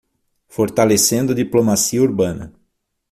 Fortalecendo a diplomacia urbana